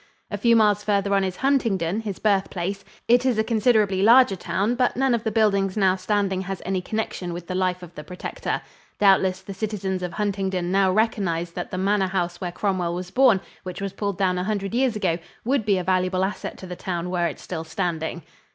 A few miles farther on is Huntingdon, his birthplace. It is a considerably larger town, but none of the buildings now standing has any connection with the life of the Protector. Doubtless the citizens of Huntingdon now recognize that the manor house where Cromwell was born, which was pulled down a hundred years ago, would be a valuable asset to the town were it still standing.